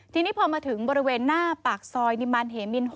ทีนี้พอมาถึงบริเวณหน้าปากซอยนิมันเหมิน๖